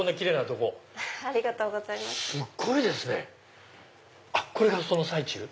これがその最中？